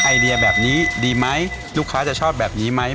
ไอเดียแบบนี้ดีมั้ยลูกค้าจะชอบแบบนี้มั้ย